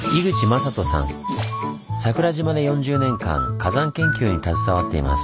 桜島で４０年間火山研究に携わっています。